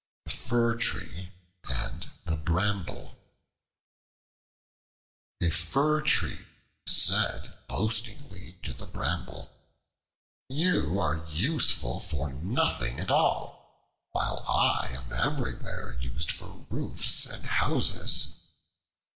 The Fir Tree and the Bramble A FIR TREE said boastingly to the Bramble, "You are useful for nothing at all; while I am everywhere used for roofs and houses."